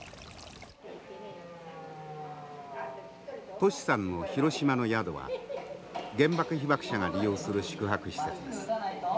トシさんの広島の宿は原爆被爆者が利用する宿泊施設です。